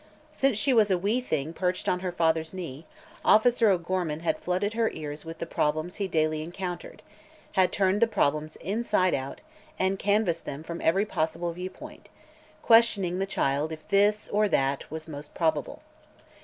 Since she was a wee thing perched on her father's knee, Officer O'Gorman had flooded her ears with the problems he daily encountered, had turned the problems inside out and canvassed them from every possible viewpoint, questioning the child if this, or that, was most probable.